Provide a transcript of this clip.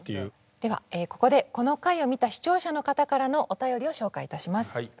ではここでこの回を見た視聴者の方からのお便りを紹介いたします。